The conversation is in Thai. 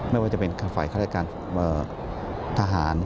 ไม่ว่าจะเป็นฝ่ายฆาตการทหาร